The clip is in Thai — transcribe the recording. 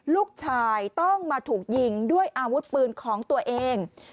ลูกชายต้องมาถูกยิงด้วยอาวุธปืนของตัวเอง